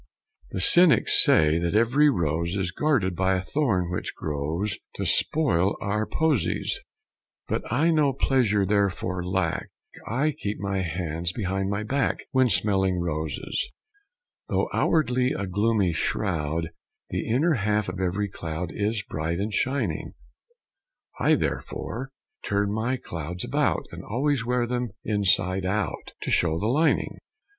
The cynics say that every rose Is guarded by a thorn which grows To spoil our posies; But I no pleasure therefore lack; I keep my hands behind my back When smelling roses. Though outwardly a gloomy shroud The inner half of every cloud Is bright and shining: I therefore turn my clouds about, And always wear them inside out To show the lining.